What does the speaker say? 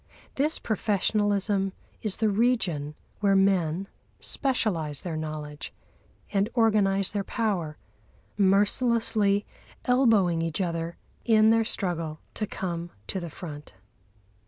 This professionalism is the region where men specialise their knowledge and organise their power, mercilessly elbowing each other in their struggle to come to the front.